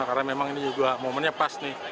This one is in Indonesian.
karena memang ini juga momennya pas nih